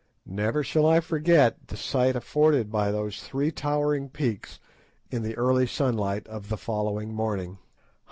Never shall I forget the sight afforded by those three towering peaks in the early sunlight of the following morning.